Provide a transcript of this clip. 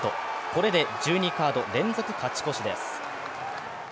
これで１２カード連続勝ち越しです。